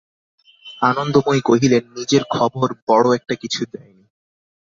আনন্দময়ী কহিলেন, নিজের খবর বড়ো একটা কিছু দেয় নি।